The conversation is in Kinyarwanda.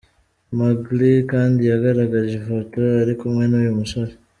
Magaly kandi yagaragaje ifoto ari kumwe n’uyu musore